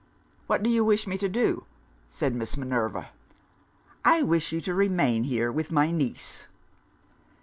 "What do you wish me to do?" said Miss Minerva. "I wish you to remain here with my niece."